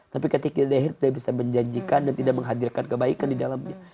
tapi ketika dehir dia bisa menjanjikan dan tidak menghadirkan kebaikan di dalamnya